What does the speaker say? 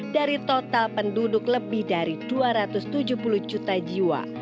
dari total penduduk lebih dari dua ratus tujuh puluh juta jiwa